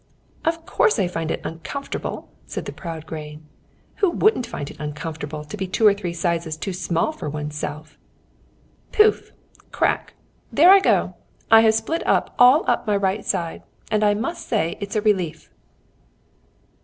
"Of course I find it uncomfortable," said the proud grain. "Who wouldn't find it uncomfortable, to be two or three sizes too small for one's self! Pouf! Crack! There I go! I have split up all up my right side, and I must say it's a relief."